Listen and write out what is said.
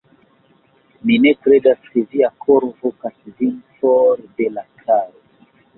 Mi ne kredas, ke via koro vokas vin for de la caro.